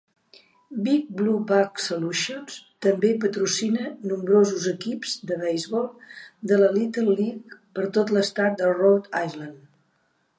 Big Blue Bug Solutions també patrocina nombrosos equips de beisbol de la Little League per tot l'Estat de Rhode Island.